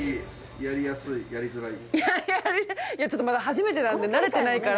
ちょっとまだ初めてなので慣れてないから。